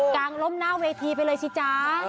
กลางล่มหน้าเวทีไปเลยสิจ๊ะ